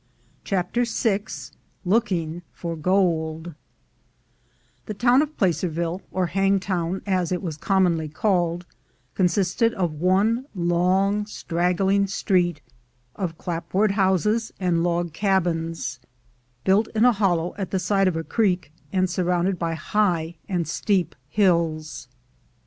CHAPTER VI LOOKING FOR GOLD j fT^HE town of Placerville — or Hangtown, as it / I was commonly called — consisted of one long j straggling street of clapboard houses and log cabins, built in a hollow at the side of a creek, and surrounded by high and steep hills.